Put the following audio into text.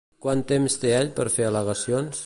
Quant temps té ell per fer al·legacions?